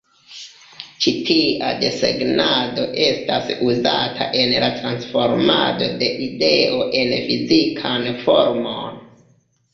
Ĉi tia desegnado estas uzata en la transformado de ideo en fizikan formon.